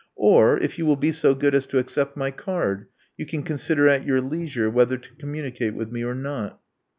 Or if you will be so good as to accept my card, you can consider at your leisure whether to communicate with me or not."